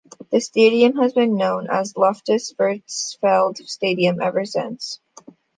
The stadium has been known as Loftus Versfeld Stadium ever since.